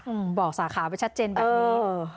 อืมบอกสาขาไปชัดเจนแบบนี้เออ